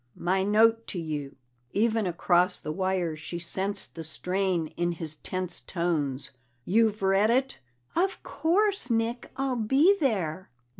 "My note to you." Even across the wire she sensed the strain in his tense tones. "You've read it?" "Of course, Nick! I'll be there."